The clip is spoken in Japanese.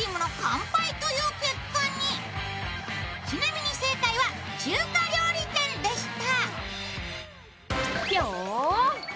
ちなみに正解は、中華料理店でした。